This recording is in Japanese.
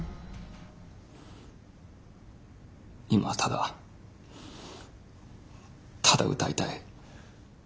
今はただただ歌いたい。